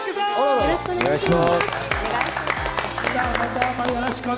よろしくお願いします。